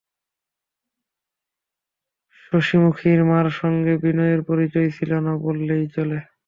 শশিমুখীর মার সঙ্গে বিনয়ের পরিচয় ছিল না বলিলেই হয়।